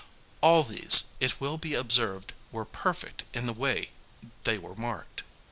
All these, it will be observed, were perfect in the way they were marked.